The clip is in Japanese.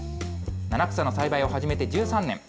七草の栽培を始めて１３年。